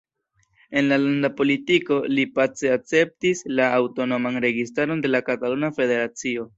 En la landa politiko, li pace akceptis la aŭtonoman registaron de la Kataluna Federacio.